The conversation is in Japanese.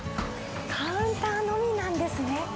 カウンターのみなんですね。